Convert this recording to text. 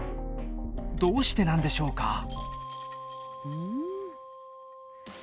どうしてなんでしょうか。